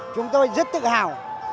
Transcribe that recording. chúng tôi rất tự hào